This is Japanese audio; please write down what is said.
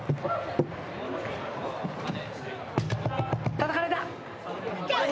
たたかれた！